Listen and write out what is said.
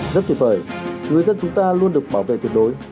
rất tuyệt vời người dân chúng ta luôn được bảo vệ tuyệt đối